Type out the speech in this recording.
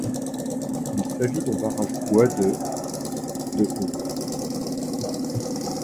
Il s'agit d'un barrage poids de de haut.